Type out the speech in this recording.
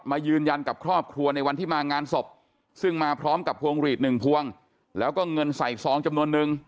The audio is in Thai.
ยืนยันกับครอบครัวในวันที่มางานศพซึ่งมาพร้อมกับพวงหลีดหนึ่งพวงแล้วก็เงินใส่ซองจำนวนนึง